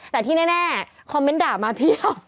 แต่ที่แน่คอมเมนต์ด่ามาเพียบ